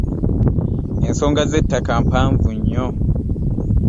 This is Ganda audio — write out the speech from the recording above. Ensonga z'ettaka mpanvu nnyo.